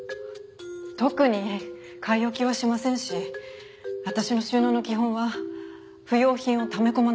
特に買い置きはしませんし私の収納の基本は不用品をため込まない事ですから。